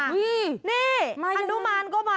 นี่ฮานุมานก็มา